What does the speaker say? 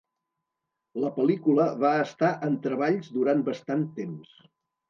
La pel·lícula va estar en treballs durant bastant temps.